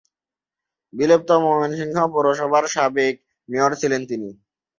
বিলুপ্ত ময়মনসিংহ পৌরসভার সাবেক মেয়র ছিলেন তিনি।